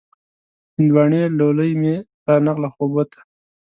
هندواڼۍ لولۍ مې را نغله خوبو ته